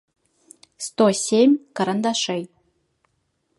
сто семь карандашей